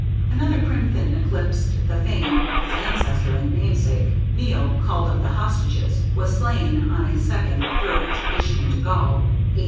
Another Crimthan eclipsed the fame of his ancestor and namesake; Nial, called "of the Hostages," was slain on a second or third expedition into Gaul (A.